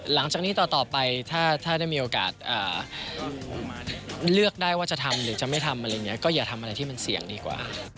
หลังจากนี้ต่อไปถ้าได้มีโอกาสเลือกได้ว่าจะทำหรือจะไม่ทำอะไรอย่างนี้ก็อย่าทำอะไรที่มันเสี่ยงดีกว่า